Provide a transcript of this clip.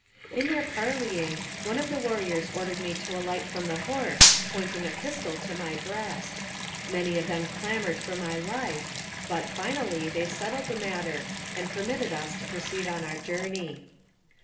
In their parleying, one of the warriors ordered me to alight from the horse, pointing a pistol to my breast. Many of them clamored for my life, but, finally, they settled the matter, and permitted us to proceed on our journey.